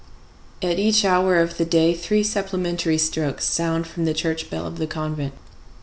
At each hour of the day three supplementary strokes sound from the church bell of the convent.